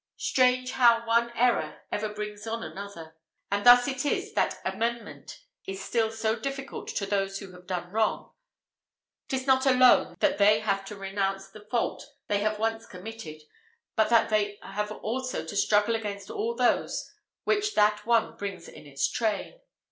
Strange how one error ever brings on another! and thus it is that amendment is still so difficult to those who have done wrong 'tis not alone that they have to renounce the fault they have once committed, but that they have also to struggle against all those which that one brings in its train.